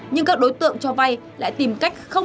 nhưng các đối tượng cho vay lại tìm cách khả năng